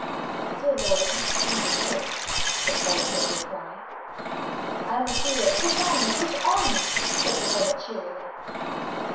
"Dear Lord! it hath a fiendish look (The Pilot made reply) I am a feared" "Push on, push on!" Said the Hermit cheerily.